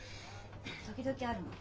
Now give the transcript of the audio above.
時々あるの。